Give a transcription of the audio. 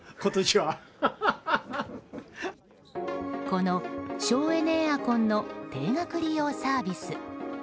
この省エネエアコンの定額利用サービス。